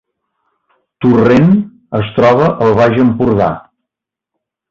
Torrent es troba al Baix Empordà